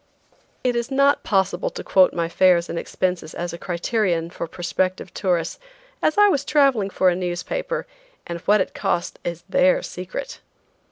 It is not possible to quote my fares and expenses as a criterion for prospective tourists, as I was traveling for a newspaper, and what it cost is their secret.